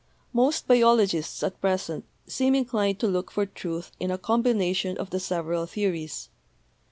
Most biologists at present seem inclined to look for truth in a combination of the several theories.